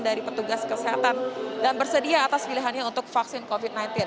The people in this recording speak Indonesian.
dari petugas kesehatan dan bersedia atas pilihannya untuk vaksin covid sembilan belas